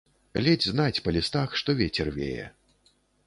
Ледзь знаць па лістах, што вецер вее.